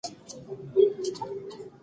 آیا انصاف د ټولنې د خلکو ترمنځ کینه لیرې کوي؟